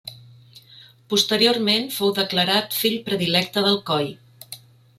Posteriorment fou declarat fill predilecte d'Alcoi.